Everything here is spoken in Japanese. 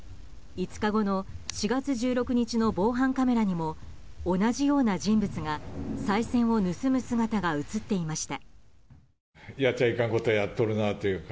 ５日後の４月１６日の防犯カメラにも同じような人物がさい銭を盗む姿が映っていました。